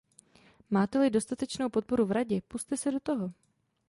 Máte-li dostatečnou podporu v Radě, pusťte se do toho.